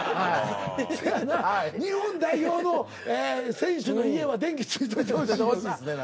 日本代表の選手の家は電気ついといてほしいよな。